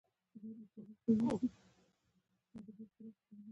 ګل د ژوند ښکلا ده.